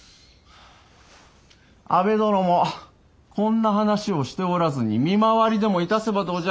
安部殿もこんな話をしておらずに見回りでもいたせばどうじゃ。